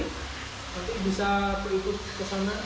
nanti bisa berikut ke sana